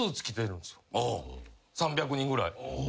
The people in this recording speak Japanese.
３００人ぐらい。